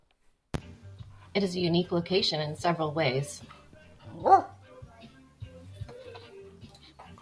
It is a unique location in several ways.